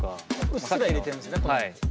うっすら入れてんですね。